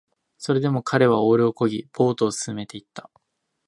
それでも彼はオールを漕ぎ、ボートを進めていった